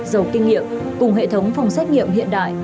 giàu kinh nghiệm cùng hệ thống phòng xét nghiệm hiện đại